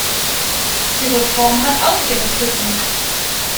Die Reform hat auch ihre Tücken.